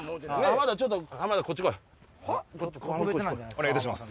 お願いいたします。